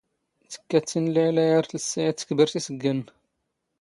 ⵜⴽⴽⴰ ⵜⵜ ⵉⵏⵏ ⵍⴰⵢⵍⴰ ⴰⵔ ⵜⵍⵙⵙⴰ ⵢⴰⵜ ⵜⴽⵔⴱⵜ ⵉⵙⴳⴳⴰⵏⵏ.